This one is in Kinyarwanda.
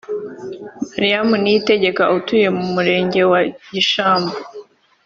Mariane Niyitegeka utuye mu murenge wa Gishamvu